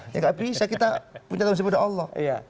ya nggak bisa kita punya tanggung jawab dari allah